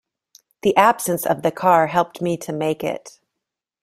The absence of the car helped me to make it.